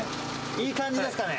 いい感じですかね。